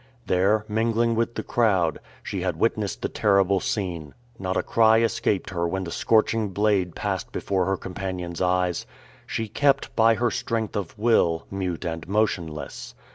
There, mingling with the crowd, she had witnessed the terrible scene. Not a cry escaped her when the scorching blade passed before her companion's eyes. She kept, by her strength of will, mute and motionless.